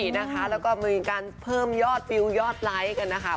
แล้วก็มีการเพิ่มยอดวิวยอดไลค์กันนะคะ